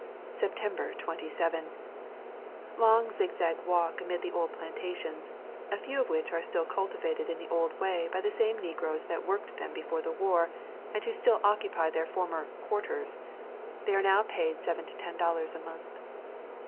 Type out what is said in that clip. September 27. Long zigzag walk amid the old plantations, a few of which are still cul tivated in the old way by the same negroes that. worked them before the war, and who [ 52] River Country of Georgia still occupy their former "quarters."' They are now paid seven to ten dollars a month.